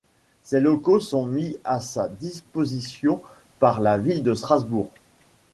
Ces locaux sont mis à sa disposition par la Ville de Strasbourg.